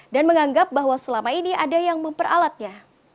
dan menganggap bahwa selama ini ada yang memperalatnya